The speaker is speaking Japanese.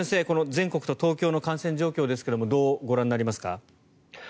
全国と東京の感染状況ですがどうご覧になりますか？